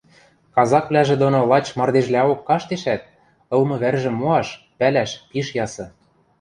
Казаквлӓжӹ доно лач мардежлӓок каштешӓт, ылмы вӓржӹм моаш, пӓлӓш пиш ясы.